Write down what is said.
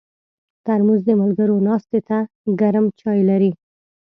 ترموز د ملګرو ناستې ته ګرم چای لري.